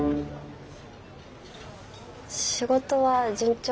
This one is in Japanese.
仕事は順調？